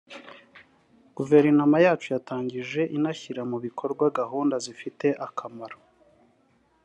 Guverinoma yacu yatangije inashyira mu bikorwa gahunda zifite akamaro